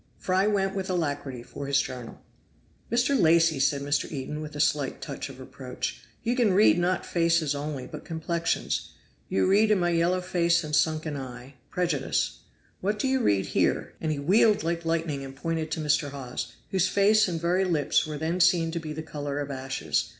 Fry went with alacrity for his journal. "Mr. Lacy," said Mr. Eden, with a slight touch of reproach, "you can read not faces only but complexions. You read in my yellow face and sunken eye prejudice; what do you read here?" and he wheeled like lightning and pointed to Mr. Hawes, whose face and very lips were then seen to be the color of ashes.